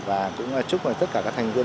và cũng chúc tất cả các thành viên